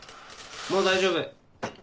もう大丈夫。